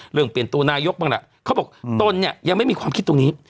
เปลี่ยนตัวนายกบ้างล่ะเขาบอกตนเนี่ยยังไม่มีความคิดตรงนี้